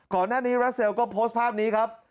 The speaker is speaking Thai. ก่อนหน้านี้รัสเซลก็โพสต์ภาพนี้ครับ